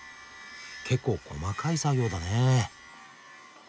結構細かい作業だね。